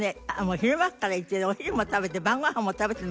昼間からいてお昼も食べて晩ご飯も食べてるの。